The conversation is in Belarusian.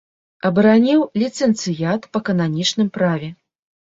Абараніў ліцэнцыят па кананічным праве.